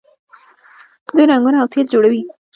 دوی رنګونه او تیل جوړوي.